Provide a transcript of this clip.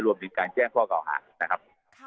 รวมถึงการแจ้งพ่อเก่าหาศพนะครับ